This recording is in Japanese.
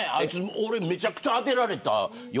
俺めちゃくちゃ当てられたよ。